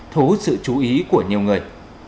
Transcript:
thú sự chú ý của nhiều người